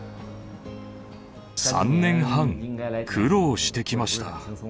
３年半、苦労してきました。